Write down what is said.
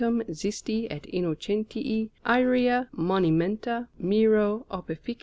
XISTI ET INNOCENTII ÆREA MONIMENTA MIRO OPIFIC.